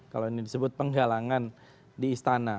kalau ini disebut penggalangan di istana